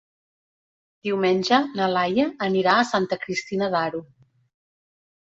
Diumenge na Laia anirà a Santa Cristina d'Aro.